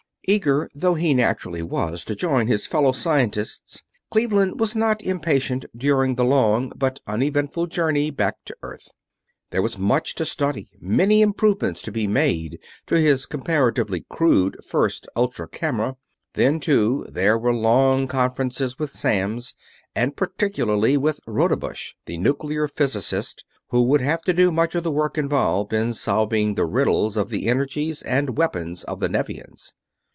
Eager though he naturally was to join his fellow scientists, Cleveland was not impatient during the long, but uneventful journey back to Earth. There was much to study, many improvements to be made in his comparatively crude first ultra camera. Then, too, there were long conferences with Samms, and particularly with Rodebush, the nuclear physicist, who would have to do much of the work involved in solving the riddles of the energies and weapons of the Nevians.